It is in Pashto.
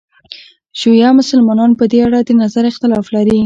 شیعه مسلمانان په دې اړه د نظر اختلاف لري.